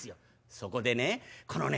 そこでねこのね